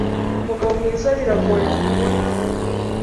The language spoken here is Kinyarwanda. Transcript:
umugabo mwiza biragoye kubona